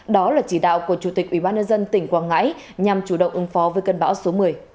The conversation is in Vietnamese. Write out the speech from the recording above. đó là chỉ đạo của chủ tịch ubnd tỉnh quảng ngãi nhằm chủ động ứng phó với cơn bão số một mươi